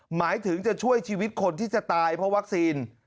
หมายถึงจะช่วยชีวิตคนที่จะตายเพราะวัคซีน